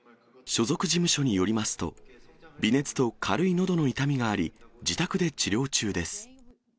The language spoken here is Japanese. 所属事務所によりますと、微熱と軽いのどの痛みがあり、自宅で治療中です。